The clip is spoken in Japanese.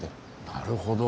なるほど。